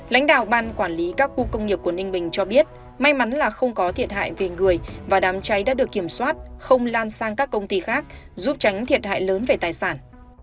lãnh đạo ban quản lý các khu công nghiệp của ninh bình cho biết may mắn là không có thiệt hại về người và đám cháy đã được kiểm soát không lan sang các công ty khác giúp tránh thiệt hại lớn về tài sản